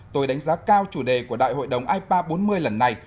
tôi đánh giá cao chủ đề của đại hội đồng ipa bốn mươi lần này